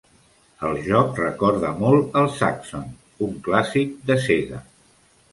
El joc recorda molt al Zaxxon, un clàssic de Sega.